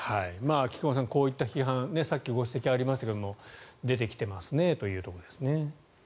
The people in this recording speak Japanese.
菊間さん、こういった批判さっきご指摘がありましたが出てきてますねというところです。